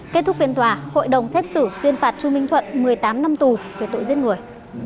kết thúc phiên tòa hội đồng xét xử tuyên phạt chu minh thuận một mươi tám năm tù về tội giết người